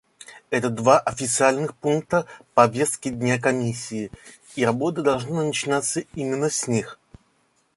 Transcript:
Это два официальных пункта повестки дня Комиссии, и работа должна начинаться именно с них.